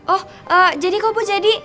oh jadi kok bu jadi